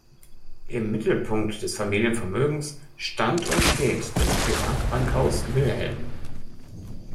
Im Mittelpunkt des Familienvermögens stand und steht das Privatbankhaus "Wilh.